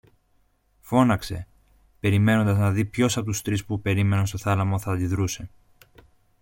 φώναξε, περιμένοντας να δει ποιος από τους τρεις που περίμεναν στο θάλαμο θα αντιδρούσε